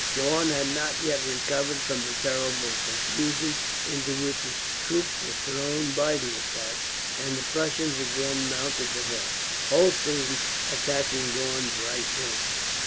Daun had not yet recovered from the terrible confusion into which his troops were thrown by the attack, and the Prussians again mounted the hill, Holstein attacking Daun's right wing.